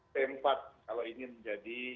tempat kalau ingin menjadi